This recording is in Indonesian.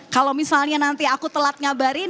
kalau misalnya nanti aku telat ngabarin